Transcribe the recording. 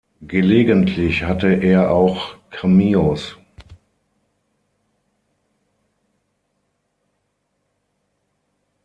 Gelegentlich hatte er auch Cameos.